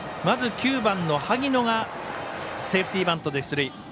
まず９番の萩野がセーフティーバントで出塁。